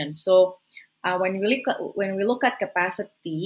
jadi ketika kita melihat kapasitas